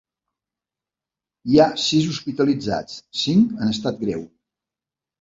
Hi ha sis hospitalitzats, cinc en estat greu.